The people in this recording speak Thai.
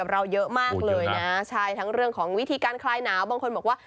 กับข้าวสวยอย่างนี้หมอไก่หิวยังฮะ